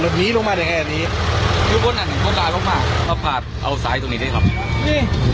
รอรถนี้ลงมาได้ไงอันนี้ทุกคนอันนี้คนร้านลงมาพอพลาดเอาสายตรงนี้ได้ครับ